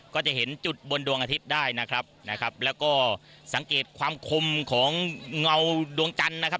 ก็จะเห็นจุดบนดวงอาทิตย์ได้นะครับนะครับแล้วก็สังเกตความคมของเงาดวงจันทร์นะครับ